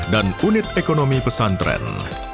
dan unit ekonomi pesantren